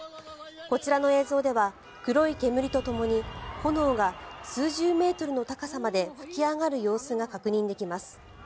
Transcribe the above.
こちらの映像では黒い煙とともに炎が数十メートルの高さまで吹き上がる様子が確認できます。